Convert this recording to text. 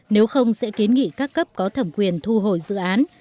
nếu không sẽ kiến nghị các cấp có thẩm quyền thu hồi dự án